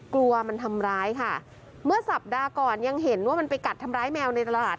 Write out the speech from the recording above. กลัวมันทำร้ายค่ะเมื่อสัปดาห์ก่อนยังเห็นว่ามันไปกัดทำร้ายแมวในตลาด